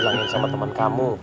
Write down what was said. bilangin sama temen kamu